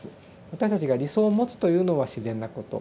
私たちが理想を持つというのは自然なこと。